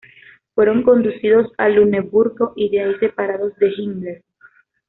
Fueron conducidos a Luneburgo y de ahí separados de Himmler.